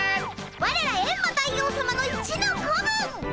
ワレらエンマ大王さまの一の子分！